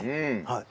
はい。